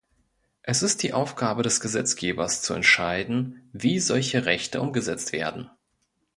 Es ist die Aufgabe des Gesetzgebers, zu entscheiden, wie solche Rechte umgesetzt werden.